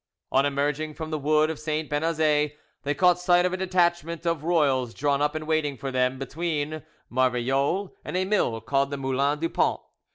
On emerging from the wood of St. Benazet, they caught sight of a detachment of royals drawn up and waiting for them between Marvejols and a mill called the Moulin du Pont.